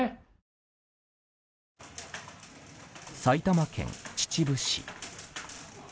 埼玉県秩父市。